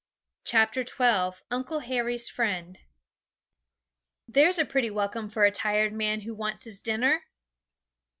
CHAPTER XII Uncle Harry's Friend 'There's a pretty welcome for a tired man who wants his dinner!'